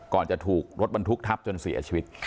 ก่อนจะถูกรถมันทุกข์ทับจนเสียชีวิต